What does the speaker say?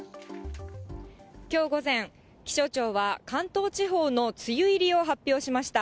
きょう午前、気象庁は、関東地方の梅雨入りを発表しました。